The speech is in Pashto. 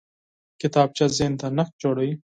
کتابچه ذهن ته نقش جوړوي